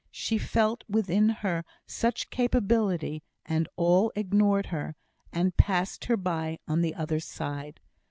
She felt within her such capability, and all ignored her, and passed her by on the other side.